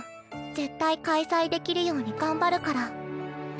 絶対開催できるように頑張るから。